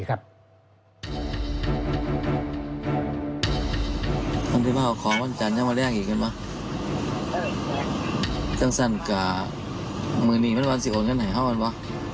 เอาโอเคน่ะ